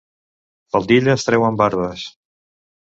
Faldilles treuen barbes.